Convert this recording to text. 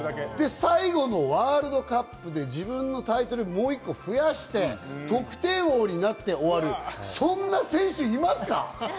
最後のワールドカップで自分のタイトルをもう１個増やしたい、得点王になって終わる、そんな選手いますか？